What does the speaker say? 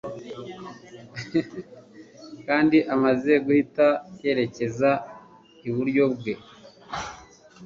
Kandi amaze guhita yerekeza iburyo bwe